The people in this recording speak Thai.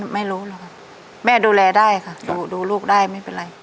ไม่รู้หรอกค่ะแม่ดูแลได้ค่ะดูลูกได้ไม่เป็นไร